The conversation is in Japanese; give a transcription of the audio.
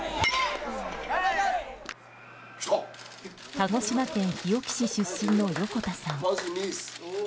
鹿児島県日置市出身の横田さん。